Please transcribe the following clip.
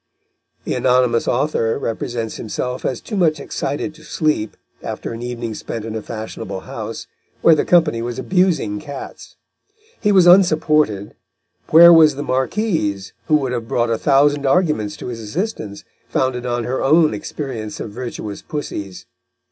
The anonymous author represents himself as too much excited to sleep, after an evening spent in a fashionable house, where the company was abusing cats. He was unsupported; where was the Marquise, who would have brought a thousand arguments to his assistance, founded on her own experience of virtuous pussies?